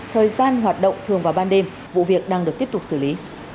thời gian hoạt động thường vào ban đêm vụ việc đang được tiếp tục xử lý